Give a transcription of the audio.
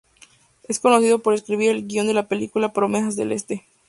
Es conocido por escribir el guion de la película "Promesas del este".